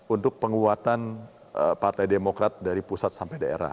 untuk penguatan partai demokrat dari pusat sampai daerah